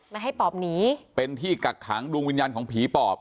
ไม่ให้ปอบหนีเป็นที่กักขังดวงวิญญาณของผีปอบ